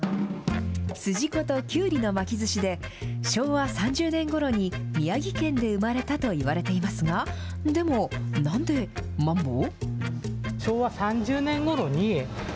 筋子ときゅうりの巻きずしで、昭和３０年ごろに宮城県で生まれたといわれていますが、でも、なんでマンボ？